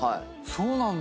そうなんだ。